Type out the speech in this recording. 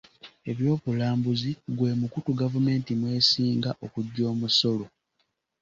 Eby'obulambuzi gwe mukutu gavumenti mw'esinga okuggya omusolo.